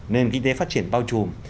nên kinh tế phát triển bao trùm